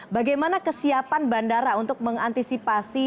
bagaimana kesiapan bandara untuk mengantisipasi